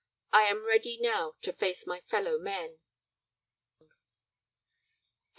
I am ready now to face my fellow men."